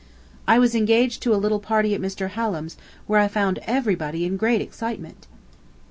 I was engaged to a little party at Mr. Hallam's, where I found everybody in great excitement.